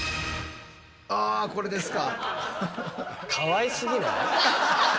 あこれですか。